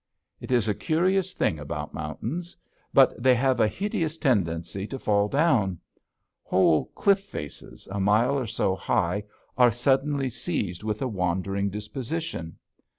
It is a curious thing about mountains, but they have a hideous tendency to fall down. Whole cliff faces, a mile or so high, are suddenly seized with a wandering disposition.